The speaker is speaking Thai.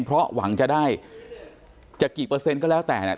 เพราะหวังจะได้จะกี่เปอร์เซ็นต์ก็แล้วแต่เนี่ย